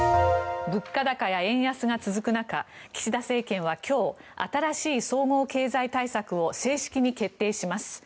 物価高や円安が続く中岸田政権は今日新しい総合経済対策を正式に決定します。